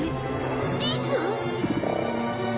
リス？